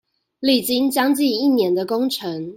歷經將近一年的工程